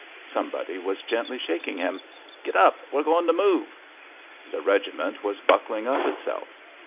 Somebody was gently shaking him. "Git up; we're going to move." The regiment was buckling up itself.